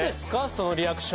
そのリアクション。